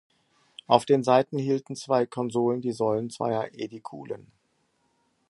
Auf den Seiten hielten zwei Konsolen die Säulen zweier Ädikulen.